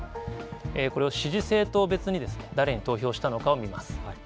これを支持政党別に誰に投票したのかを見ます。